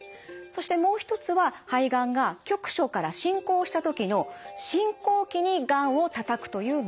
そしてもう一つは肺がんが局所から進行した時の進行期にがんをたたくという目的です。